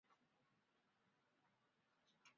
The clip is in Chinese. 以清末为剧集背景。